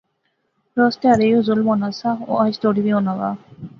روز تہاڑے یو ظلم ہونا سا اور اج توڑی وی ہونا دا